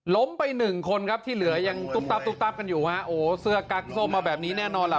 ล้มไปหนึ่งคนครับที่เหลือยังตุ๊บตับตุ๊บตับกันอยู่ฮะโอ้เสื้อกั๊กส้มมาแบบนี้แน่นอนล่ะ